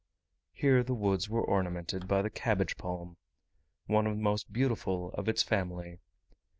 Here the woods were ornamented by the Cabbage Palm one of the most beautiful of its family.